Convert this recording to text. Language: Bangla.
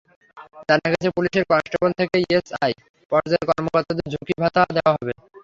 জানা গেছে, পুলিশের কনস্টেবল থেকে এসআই পর্যায়ের কর্মকর্তাদের ঝুঁকি ভাতা দেওয়া হয়।